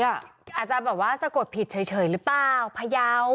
อาจจะแบบว่าสะกดผิดเฉยหรือเปล่าพยาว